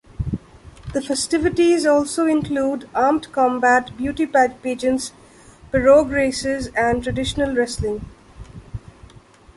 The festivities also include armed combat, beauty pageants, pirogue races, and traditional wrestling.